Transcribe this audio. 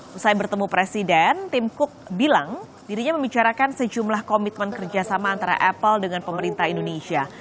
setelah bertemu presiden tim cook bilang dirinya membicarakan sejumlah komitmen kerjasama antara apple dengan pemerintah indonesia